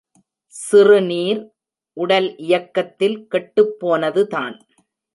சிறுநீர், உடல் இயக்கத்தில் கெட்டுப் போனதுதான்.